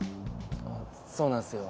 そうなんですよ。